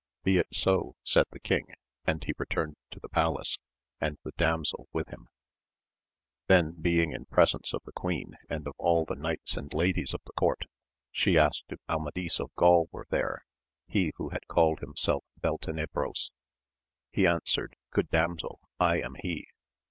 Be it so, said the king, and he returned to the palace, and the damsel with him. Then being in presence of the queen and of all the knights and ladies of the court, she asked if Amadis of Gaul were there, he who had called himself Beltenebros. He answered, Good damsel I am he.